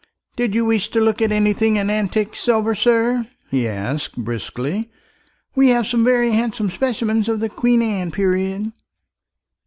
"Did you wish to look at anything in antique silver, sir?" he asked briskly. "We have some very handsome specimens of the Queen Anne period."